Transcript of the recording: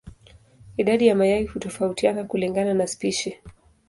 Idadi ya mayai hutofautiana kulingana na spishi.